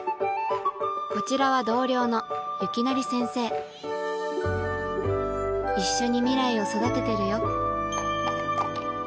こちらは同僚の薫徳先生一緒に未来を育ててるよ